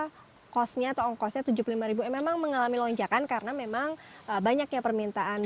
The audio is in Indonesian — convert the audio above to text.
pengundi yang berharga tujuh puluh lima ribu yang memang mengalami lonjakan karena memang banyaknya permintaan